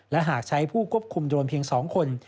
และหากใช้ผู้ควบคุมโดรนเพียง๒คน